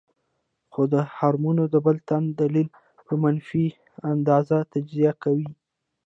خو دغه هارمون د بل تن دليل پۀ منفي انداز تجزيه کوي -